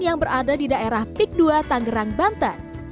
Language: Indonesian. yang berada di daerah pik dua tangerang banten